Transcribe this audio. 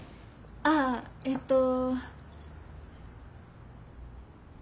あぁえっと。